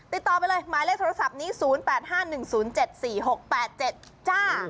ติดต่อไปเลยหมายเลขโทรศัพท์นี้๐๘๕๑๐๗๔๖๘๗จ้า